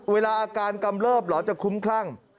เวลาอาการกำเริบเหรอจะคุ้มคลั่ง